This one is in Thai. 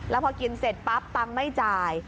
แล้วพอกินเสร็จปั๊บตังค์ไม่จ่าย